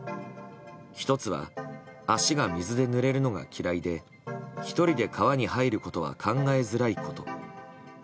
１つは足が水でぬれるのが嫌いで１人で川に入ることは考えづらいこと。